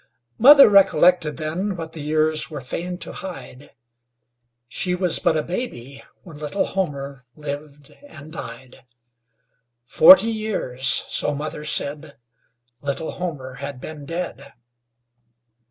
Mother recollected then What the years were fain to hide She was but a baby when Little Homer lived and died; Forty years, so mother said, Little Homer had been dead.